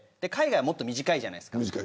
海外はもっと短いじゃないですか。